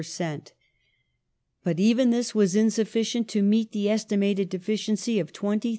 per cent. But even this was insufficient to meet the estimated deficiency of £23,000,000.